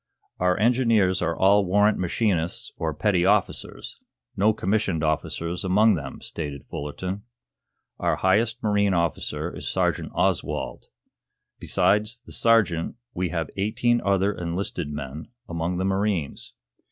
"Our engineers are all warrant machinists or petty officers; no commissioned officers among them," stated Fullerton. "Our highest marine officer is Sergeant Oswald. Besides the sergeant we have eighteen other enlisted men among the marines.